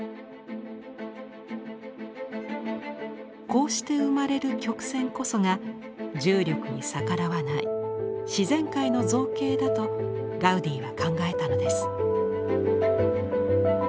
こうして生まれる曲線こそが重力に逆らわない自然界の造形だとガウディは考えたのです。